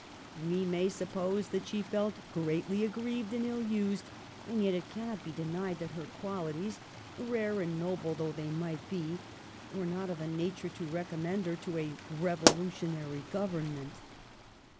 We may suppose that she felt greatly aggrieved and ill used, and yet it can not be denied that her qualities — rare and noble though they might be — were not of a nature to recomniend her to a Revolutionary Government.